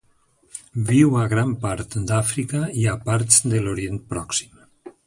Viu a gran part d'Àfrica i a parts de l'Orient Pròxim.